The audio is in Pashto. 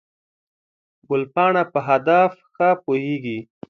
ګلپاڼه په هدف ښه پوهېږي.